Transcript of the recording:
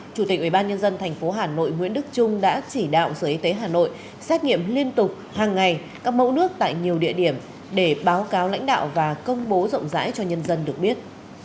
chủ tịch ubnd tp hà nội nguyễn đức trung đã chỉ đạo sở y tế hà nội xét nghiệm liên tục hàng ngày các mẫu nước tại nhiều địa điểm để báo cáo lãnh đạo và công bố rộng rãi cho nhân dân được biết